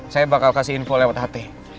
saya bakal kasih info lewat ht